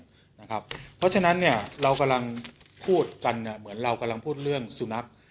เพราะฉะนั้นเรากำลังพูดกันเหมือนเรากำลังพูดเรื่องสุนัข